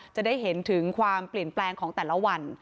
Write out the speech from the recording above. จะได้เห็นถึงความเปลี่ยนแปลงของแต่ละวัน